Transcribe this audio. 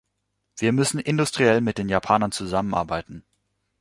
Wir müssen industriell mit den Japanern zusammenarbeiten.